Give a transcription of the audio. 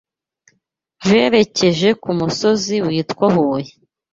berekeje k’ umusozi witwa Huye